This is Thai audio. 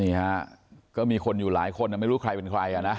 นี่ฮะก็มีคนอยู่หลายคนไม่รู้ใครเป็นใครอ่ะนะ